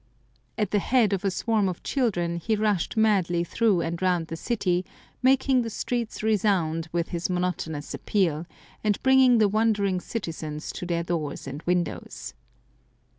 At the head of a swarm of children he rushed madly through and round the city, making the streets resound with his monotonous appeal, and bringing the wondering citizens to their doors and windows.